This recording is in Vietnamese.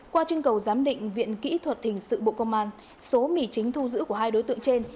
qua chương cầu giám định viện kỹ thuật hình sự bộ công an số mì chính thu giữ của hai đối tượng trên